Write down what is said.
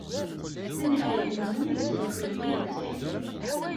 Anafad-inu yettwaker-iyi deg usakal.